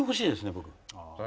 僕。